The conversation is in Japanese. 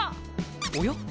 おや？